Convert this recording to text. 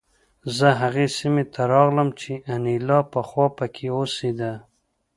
زه هغې سیمې ته راغلم چې انیلا پخوا پکې اوسېده